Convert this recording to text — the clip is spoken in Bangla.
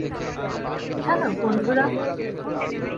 হ্যালো, বন্ধুরা।